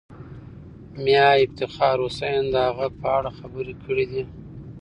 میا افتخار حسین د هغه په اړه خبرې کړې دي.